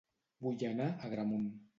Vull anar a Agramunt